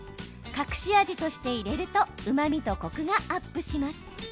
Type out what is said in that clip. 隠し味として入れるとうまみとコクがアップします。